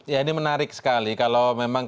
ya ini menarik sekali kalau memang